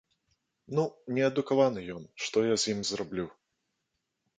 Ну, неадукаваны ён, што я з ім зраблю?